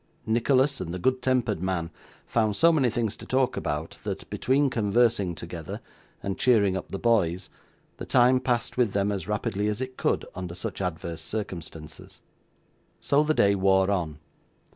Nicholas and the good tempered man found so many things to talk about, that between conversing together, and cheering up the boys, the time passed with them as rapidly as it could, under such adverse circumstances. So the day wore on.